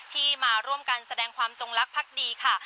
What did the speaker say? ที่มาร่วมกันแสดงความจงลักษ์ดีค่ะ